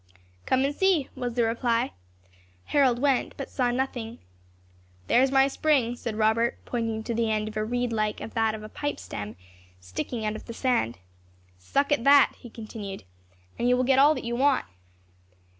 "Come and see," was the reply. Harold went, but saw nothing. "There is my spring," said Robert, pointing to the end of a reed like that of a pipe stem, sticking out of the sand. "Suck at that," he continued, "and you will get all that you want."